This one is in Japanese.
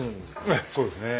ええそうですね。